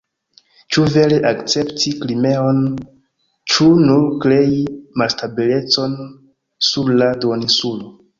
Ĉu vere akcepti Krimeon, ĉu nur krei malstabilecon sur la duoninsulo.